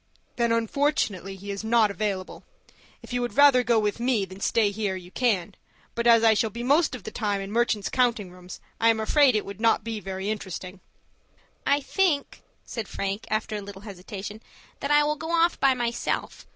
"Then, unfortunately, he is not available. If you would rather go with me than stay here, you can, but as I shall be most of the time in merchants' counting rooms, I am afraid it would not be very interesting." "I think," said Frank, after a little hesitation, "that I will go off by myself.